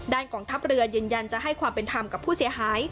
กองทัพเรือยืนยันจะให้ความเป็นธรรมกับผู้เสียหาย